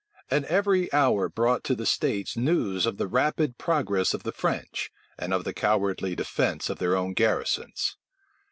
And every hour brought to the states news of the rapid progress of the French, and of the cowardly defence of their own garrisons.